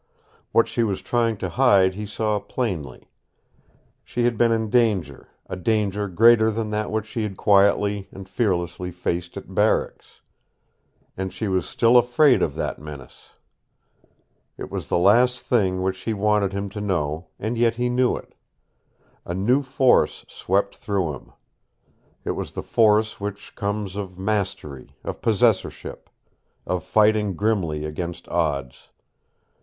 What she was trying to hide he saw plainly. She had been in danger, a danger greater than that which she had quietly and fearlessly faced at barracks. And she was still afraid of that menace. It was the last thing which she wanted him to know, and yet he knew it. A new force swept through him. It was the force which comes of mastery, of possessorship, of fighting grimly against odds.